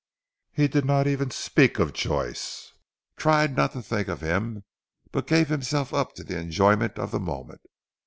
He did not even speak of Joyce, tried not to think of him, but gave himself up to the enjoyment of the moment.